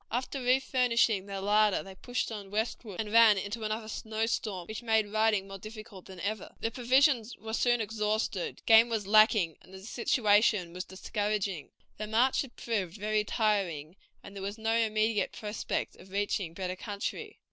After refurnishing their larder they pushed on westward, and ran into another snow storm, which made riding more difficult than ever. Their provisions were soon exhausted, game was lacking, and the situation was discouraging. The march had proved very tiring, and there was no immediate prospect of reaching better country.